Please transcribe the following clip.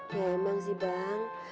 memang sih bang